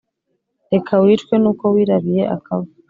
reka wicwe n’uko wirabiye akavu